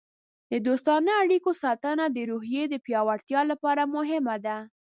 د دوستانه اړیکو ساتنه د روحیې د پیاوړتیا لپاره مهمه ده.